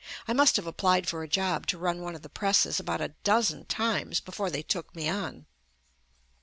I must have applied for a job to run one of the presses about a dozen times before they took me on.